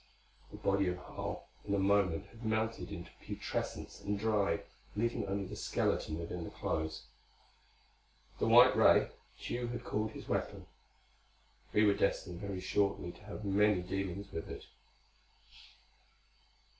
The body of Harl in a moment had melted into putrescence, and dried, leaving only the skeleton within the clothes. The white ray, Tugh had called his weapon. We were destined very shortly to have many dealings with it.